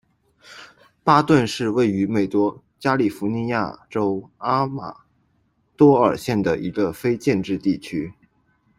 巴顿是位于美国加利福尼亚州阿马多尔县的一个非建制地区。